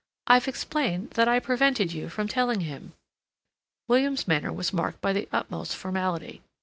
"I've explained that I prevented you from telling him." William's manner was marked by the utmost formality.